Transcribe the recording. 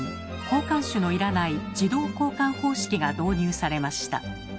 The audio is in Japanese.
交換手の要らない「自動交換方式」が導入されました。